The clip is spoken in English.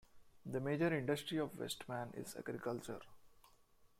The major industry of Westman is agriculture.